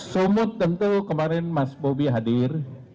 sumut tentu kemarin mas bobi hadir